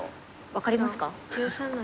分かりますか？